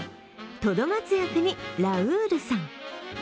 トド松役にラウールさん。